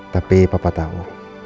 tapi papa tahu